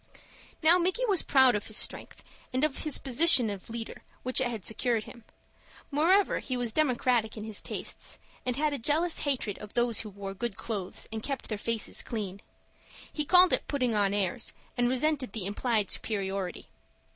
Now Micky was proud of his strength, and of the position of leader which it had secured him. Moreover he was democratic in his tastes, and had a jealous hatred of those who wore good clothes and kept their faces clean. He called it putting on airs, and resented the implied superiority.